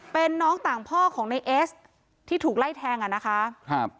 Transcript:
เป็นน้องต่างพ่อของในเอสที่ถูกไล่แทงอ่ะนะคะครับ